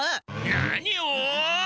何を！？